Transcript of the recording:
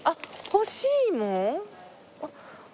干し芋や。